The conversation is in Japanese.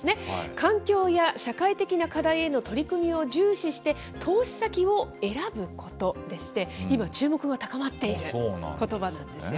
環境や社会的な課題への取り組みを重視して、投資先を選ぶことでして、今、注目が高まっていることばなんですよ。